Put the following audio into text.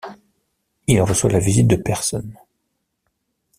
Il reçoit la visite de personnes.